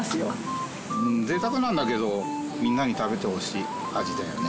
贅沢なんだけどみんなに食べてほしい味だよね。